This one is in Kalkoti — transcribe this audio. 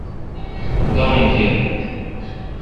گاں کیر۔